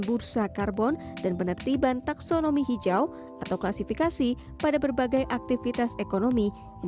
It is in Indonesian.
bursa karbon dan penertiban taksonomi hijau atau klasifikasi pada berbagai aktivitas ekonomi yang